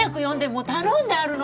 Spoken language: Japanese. もう頼んであるの。